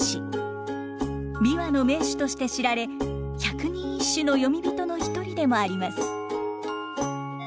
琵琶の名手として知られ百人一首の詠み人の一人でもあります。